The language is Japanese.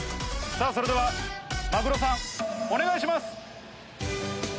それではマグロさんお願いします。